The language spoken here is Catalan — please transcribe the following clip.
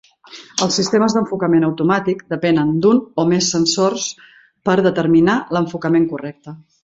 Els sistemes d'enfocament automàtic depenen d'un o més sensors per determinar l'enfocament correcte.